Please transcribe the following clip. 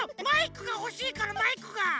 マイクがほしいからマイクが！